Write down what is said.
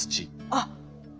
あっ！